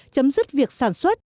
chấm dứt việc sản xuất